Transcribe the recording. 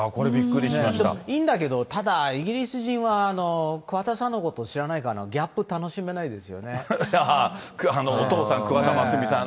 いいんだけど、ただイギリス人は桑田さんのことを知らないから、いやー、お父さん、桑田真澄さん。